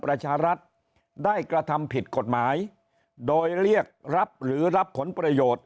ประชารัฐได้กระทำผิดกฎหมายโดยเรียกรับหรือรับผลประโยชน์